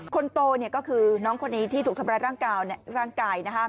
คนโตก็คือน้องคนนี้ที่ถูกทำร้ายร่างกายร่างกาย